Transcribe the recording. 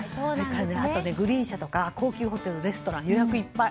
あと、グリーン車とか高級ホテルやレストランは予約いっぱい。